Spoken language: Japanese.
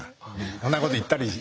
そんなこと言ったり。